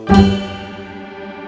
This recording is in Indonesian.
ya udah lah be